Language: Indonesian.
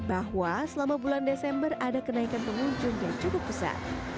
bahwa selama bulan desember ada kenaikan pengunjung yang cukup besar